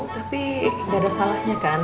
tapi gak ada salahnya kan